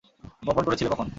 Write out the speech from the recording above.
বপন করেছিলে কখন?